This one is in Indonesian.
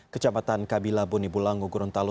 kecamatan kabila bonibula ngugurontalo